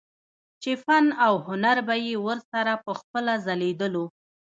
چې فن او هنر به يې ورسره پخپله ځليدلو